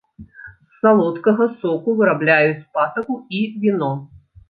З салодкага соку вырабляюць патаку і віно.